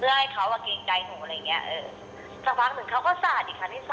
เออเขาก็เอาเบียร์ศาสตร์ขึ้นมาศาสตร์แดนเซอร์อะไรอย่างเงี้ย